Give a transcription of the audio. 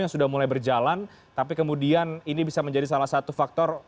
yang sudah mulai berjalan tapi kemudian ini bisa menjadi salah satu faktor